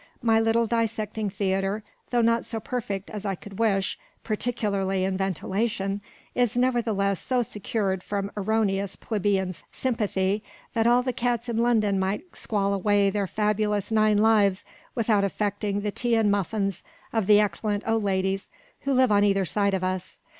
My little dissecting theatre, though not so perfect as I could wish, particularly in ventilation, is nevertheless so secured from erroneous plebeian sympathy, that all the cats in London might squall away their fabulous nine lives without affecting the tea and muffins of the excellent old ladies who live on either side of us.